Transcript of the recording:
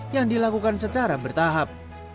yang dilakukan secara bertahap